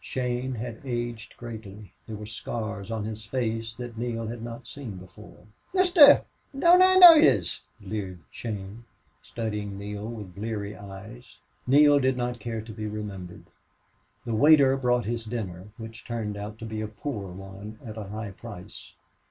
Shane had aged greatly. There were scars on his face that Neale had not seen before. "Mister, don't I know yez?" leered Shane, studying Neale with bleary eyes. Neale did not care to be remembered. The waiter brought his dinner, which turned out to be a poor one at a high price.